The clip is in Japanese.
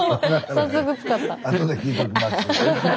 早速使った。